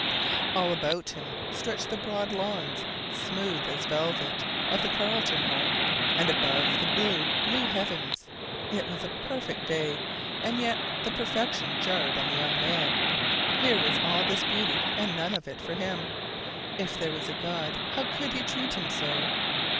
All about him stretched the broad lawns, smooth as velvet, of the Carleton home, and above, the blue, blue heavens. It was a perfect day, and yet the perfection jarred on the young man. Here was all this beauty, and none of it for him. If there was a God, how could he treat him so?